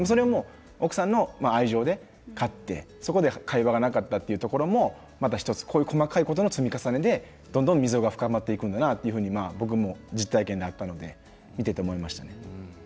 奥さんの愛情で買ってそこで会話がなかったというところも１つ細かいところの積み重ねで溝が深まっていくんだなと僕も実体験であったので見ていて思いました。